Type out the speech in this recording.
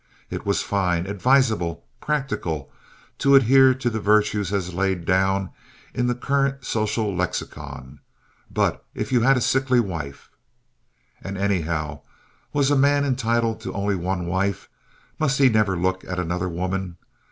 It was fine, advisable, practical, to adhere to the virtues as laid down in the current social lexicon, but if you had a sickly wife—And anyhow, was a man entitled to only one wife? Must he never look at another woman?